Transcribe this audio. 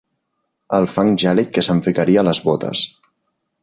El fang gèlid que se'm ficaria a les botes.